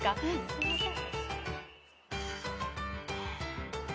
すいません。